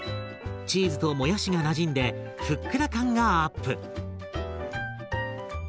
チーズともやしがなじんでふっくら感がアップ！